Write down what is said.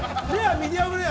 ミディアムレア。